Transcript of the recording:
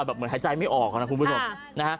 แบบเหมือนหายใจไม่ออกนะครับคุณปุ๊กค่ะ